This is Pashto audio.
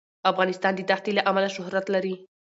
افغانستان د دښتې له امله شهرت لري.